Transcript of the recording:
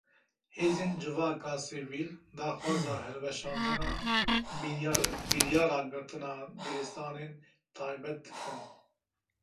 Hêzên Civaka Sivîl daxwaza hilweşandina biryara girtina dibistanên taybet dikin.